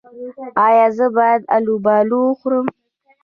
ایا زه باید الوبالو وخورم؟